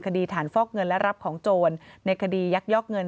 คดีฐานฟอกเงินและรับของโจรในคดียักยอกเงิน